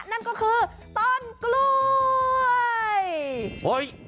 นั่นก็คือต้นกล้วย